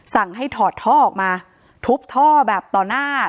สั่งให้ถอดท่อออกมาทุบท่อแบบต่อหน้า